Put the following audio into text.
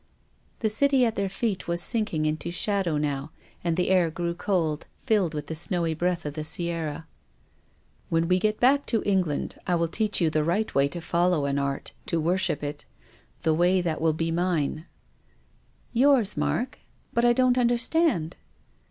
The City at their feet was sinking into shadow now, and the air grew cold, filled with the snowy breath of the Sierra. " When we go back to England I will teach you the right way to follow an art, to worship it ; the way that will be mine." "WILLIAM FOSTER." 127 " Yours, Mark?" But I don't understand."